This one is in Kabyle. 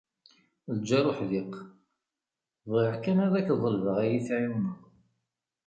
Lğar uḥdiq: “Bɣiɣ kan ad ak-ḍelbeɣ ad iyi-tεiwneḍ."